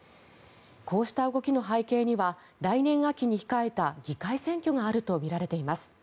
こうした動きの背景には来年秋に控えた議会選挙があるとみられています。